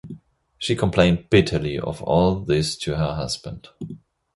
She complained bitterly of all this to her husband.